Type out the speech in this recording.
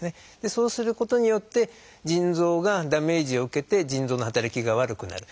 そうすることによって腎臓がダメージを受けて腎臓の働きが悪くなる。